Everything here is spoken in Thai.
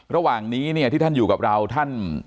ระหว่างนี้เนี่ยที่ท่านอยู่กับเราท่าน